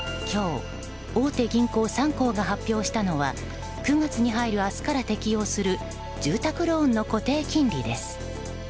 今日大手銀行３行が発表したのは９月に入る明日から適用する住宅ローンの固定金利です。